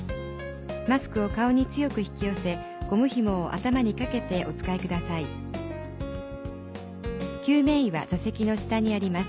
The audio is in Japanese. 「マスクを顔に強く引き寄せゴムひもを頭に掛けてお使いください」「救命衣は座席の下にあります」